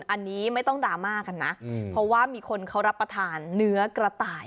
อันนี้ไม่ต้องดราม่ากันนะเพราะว่ามีคนเขารับประทานเนื้อกระต่าย